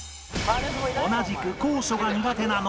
同じく高所が苦手なノブ